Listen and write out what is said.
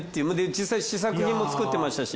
実際試作品も作ってましたし。